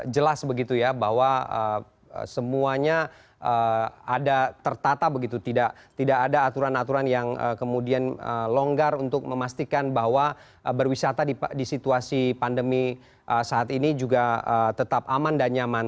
jelas begitu ya bahwa semuanya ada tertata begitu tidak ada aturan aturan yang kemudian longgar untuk memastikan bahwa berwisata di situasi pandemi saat ini juga tetap aman dan nyaman